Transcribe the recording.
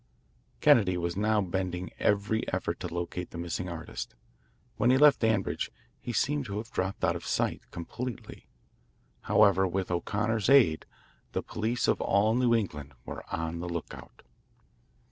Kennedy was now bending every effort to locate the missing artist. When he left Danbridge, he seemed to have dropped out of sight completely. However, with O'Connor's aid, the police of all New England were on the lookout.